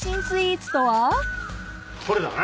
これだな。